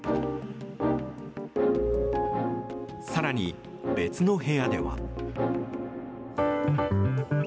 更に、別の部屋では。